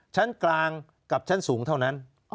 ชั้นกลางกับชั้นสูงเท่านั้น